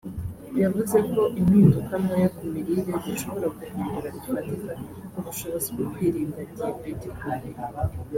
yavuze ko impinduka ntoya ku mirire zishobora guhindura bifatika ubushobozi bwo kwirinda diyabete k’umubiri